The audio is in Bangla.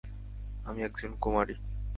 আমি একজন কুমারী।